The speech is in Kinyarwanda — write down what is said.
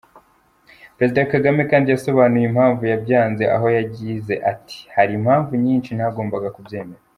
Perezida Kagame kandi yasobanuye impamvu yabyanze aho yagize ati : "Hari impamvu nyinshi ntagombaga kubyemera.